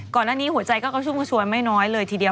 ก่อนหน้านี้หัวใจก็กระชุ่มกระชวยไม่น้อยเลยทีเดียว